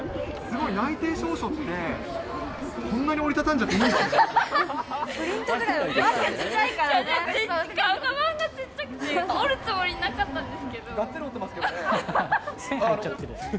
すごい、内定証書って、こんなに折り畳んじゃっていいんですね。